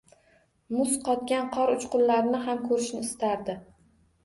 Muz qotgan qor uchqunlarini ham ko‘rishni istardi.